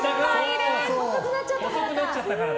下が細くなっちゃったからだ。